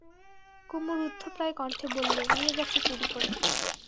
কুমু রুদ্ধপ্রায় কণ্ঠে বললে, নিয়ে গেছে চুরি করে!